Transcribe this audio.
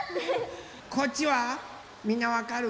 こっちはみんなわかる？